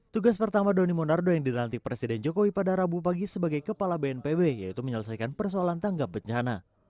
tugas pertama doni monardo yang dilantik presiden jokowi pada rabu pagi sebagai kepala bnpb yaitu menyelesaikan persoalan tanggap bencana